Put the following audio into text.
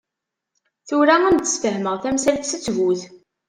Tura ad am-d-ssfehmeɣ tamsalt s ttbut.